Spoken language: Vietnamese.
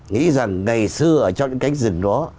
nghĩ rằng ngày xưa ở cho những cánh rừng đó